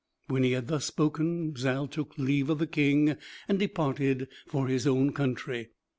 When he had thus spoken, Zal took leave of the King, and departed for his own country.